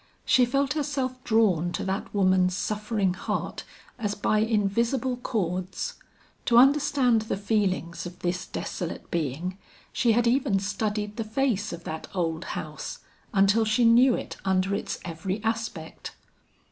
She felt herself drawn to that woman's suffering heart as by invisible cords. To understand the feelings of this desolate being, she had even studied the face of that old house, until she knew it under its every aspect.